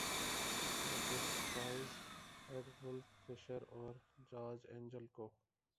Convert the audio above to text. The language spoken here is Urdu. آ گسٹ سپائز ‘ایڈولف فشر اور جارج اینجل کو